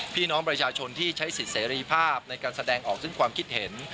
พี่น้องประชาชนที่ใช้สิทธิเสรีภาพในการแสดงออกซึ่งความคิดเห็น